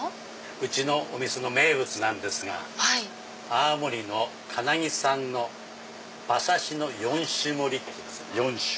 うちのお店の名物なんですが青森の金木産の馬刺しの４種盛り４種。